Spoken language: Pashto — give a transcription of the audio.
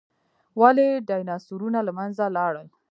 ولې ډیناسورونه له منځه لاړل؟